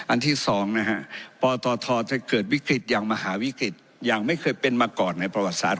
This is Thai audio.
ที่๒นะฮะปตทจะเกิดวิกฤตอย่างมหาวิกฤตอย่างไม่เคยเป็นมาก่อนในประวัติศาสต